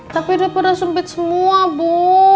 tapi udah pada sempit semua bu